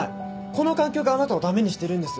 この環境があなたを駄目にしてるんです。